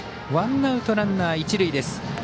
ワンアウト、ランナー、一塁です。